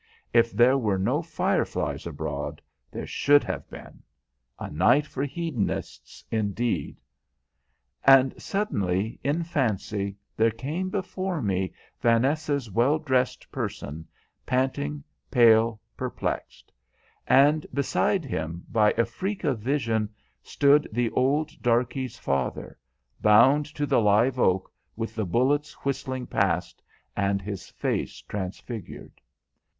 If there were no fireflies abroad, there should have been. A night for hedonists, indeed! And suddenly, in fancy, there came before me Vaness's well dressed person, panting, pale, perplexed; and beside him, by a freak of vision, stood the old darky's father, bound to the live oak, with the bullets whistling past, and his face transfigured.